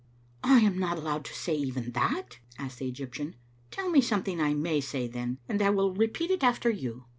'*I am not allowed to say that evefi?'* asked the Egyptian. " Tell me something I may say, then, and I will repeat it after you."